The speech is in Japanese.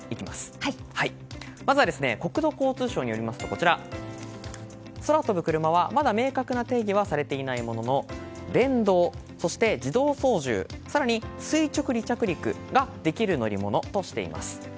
まずは国土交通省によりますと空飛ぶクルマはまだ明確な定義はされていないものの電動、自動操縦更に、垂直離着陸ができる乗り物としています。